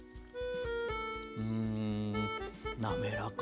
うん滑らか。